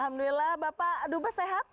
alhamdulillah bapak dubes sehat